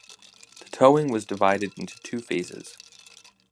The towing was divided into two phases.